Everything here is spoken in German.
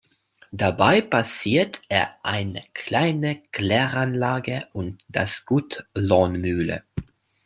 Dabei passiert er eine kleine Kläranlage und das Gut Lohmühle.